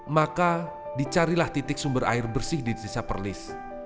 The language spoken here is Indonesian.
maka dicarilah titik sumber air bersih di desa perlis